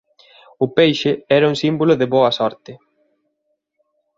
O peixe era un símbolo de boa sorte.